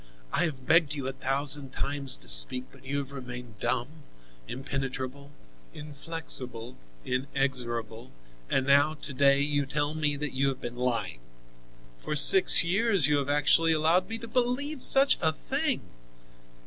I have begged you a thousand times to speak, but you have remained dumb, impenetrable, inflexible, inexorable, and now to day you tell me that you have been lying. For six years you have actually allowed me to believe such a thing!